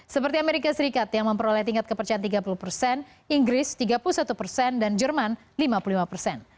seperti amerika serikat yang memperoleh tingkat kepercayaan tiga puluh persen inggris tiga puluh satu persen dan jerman lima puluh lima persen